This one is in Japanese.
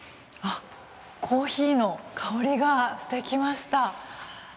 コーヒーの香りがしてきました。